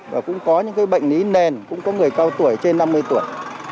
và cũng có những bệnh lý nền cũng có người cao tuổi trên năm mươi tuổi